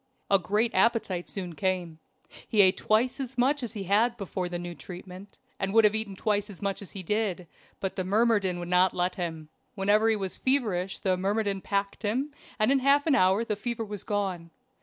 A great appetite soon came; he ate twice as much as he had before the new treatment, and would have eaten twice as much as he did, but the myrmidon would not let him. Whenever he was feverish the myrmidon packed him, and in half an hour the fever was gone.